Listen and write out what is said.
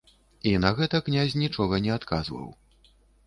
І на гэта князь нічога не адказваў.